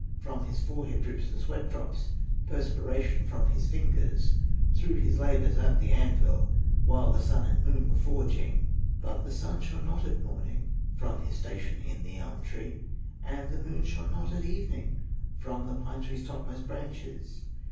From his forehead drip the sweat drops, Perspiration from his fingers, Through his labors at the anvil While the Sun and Moon were forging; But the Sun shone not at morning From his station in the elm tree; And the Moon shone not at evening From the pine tree's topmost branches.